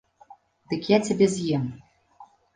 Дык я цябе з'ем!